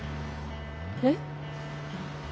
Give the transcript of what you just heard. えっ？